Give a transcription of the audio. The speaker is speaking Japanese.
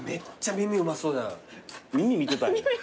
耳見てたんや。